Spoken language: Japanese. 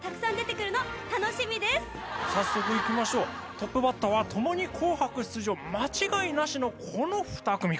トップバッターは共に『紅白』出場間違いなしのこの２組から。